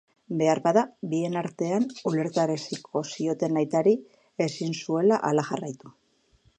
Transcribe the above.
Beharbada bien artean ulertaraziko zioten aitari ezin zuela hala jarraitu.